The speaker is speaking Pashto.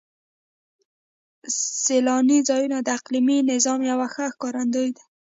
سیلاني ځایونه د اقلیمي نظام یو ښه ښکارندوی دی.